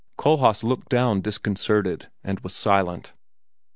Kohlhaas looked down disconcerted, and was silent.